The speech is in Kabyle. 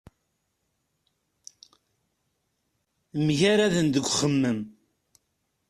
Mgaraden deg uxemmem.